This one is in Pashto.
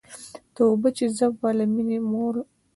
توبه چي زه به له میني موړ یم